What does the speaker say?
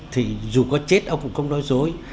thì dù có chết ông cũng không nói dối